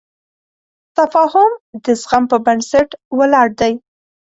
تفاهم د زغم په بنسټ ولاړ دی.